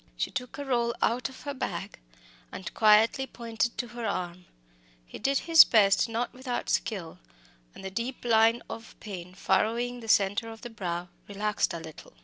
She took a roll out of her bag, and quietly pointed to her arm. He did his best, not without skill, and the deep line of pain furrowing the centre of the brow relaxed a little.